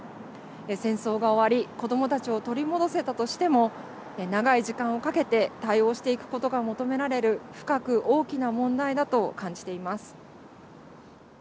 戦争が終わり子どもたちを取り戻せたとしても長い時間をかけて対応していくことが求められる深く大きな問題だと感じています。